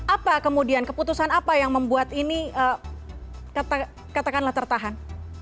apa kemudian keputusan apa yang membuat ini katakanlah tertahan